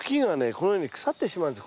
このように腐ってしまうんです。